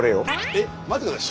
えっ待って下さい。